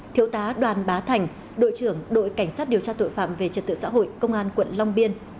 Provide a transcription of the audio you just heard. thiếu tá đoàn bá thành đội trưởng đội cảnh sát điều tra tội phạm về trật tự xã hội công an quận long biên